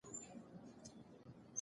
ټولنپوهنه د نسلونو ترمنځ اړیکه ټینګوي.